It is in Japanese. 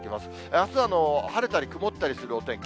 あすは晴れたり曇ったりするお天気。